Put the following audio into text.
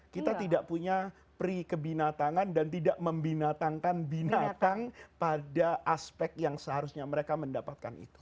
kita tidak punya pri kebinatangan dan tidak membinatangkan binatang pada aspek yang seharusnya mereka mendapatkan itu